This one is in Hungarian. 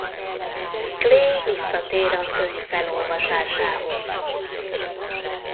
Clay visszatér a könyv felolvasásához.